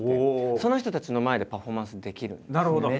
その人たちの前でパフォーマンスできるんですね。